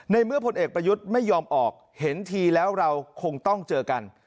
ในเมื่อพลเอกประยุทธ์ไม่ยอมออกเห็นทีแล้วเราคงต้องเจอกัน